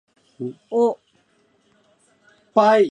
お